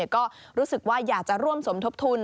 ก็รู้สึกว่าอยากจะร่วมสมทบทุน